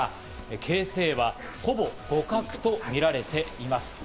形勢はほぼ互角とみられています。